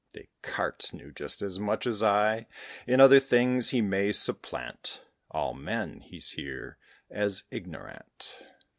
Descartes knew just as much as I: In other things he may supplant All men; he's here as ignorant.